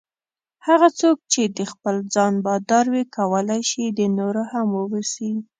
هغه څوک چې د خپل ځان بادار وي کولای شي د نورو هم واوسي.